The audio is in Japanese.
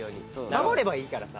守ればいいからさ。